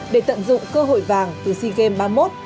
để tận dụng cơ hội vàng từ sea games ba mươi một